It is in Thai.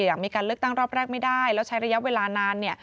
หลังมีการเลือกตั้งรอบแรกไม่ได้แล้วใช้ระยะเวลานานเนี่ย